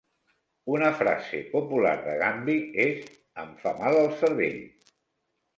Una frase popular de Gumby és: "Em fa mal el cervell!"